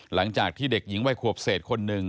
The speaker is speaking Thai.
หลังจากที่เด็กหญิงวัยขวบเศษคนหนึ่ง